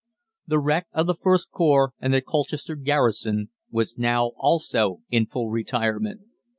The wreck of the first Corps and the Colchester garrison was now also in full retirement.